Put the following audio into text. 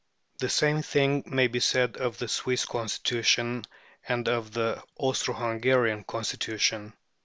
The same thing may be said of the Swiss Constitution and of the Austro Hungarian Constitution.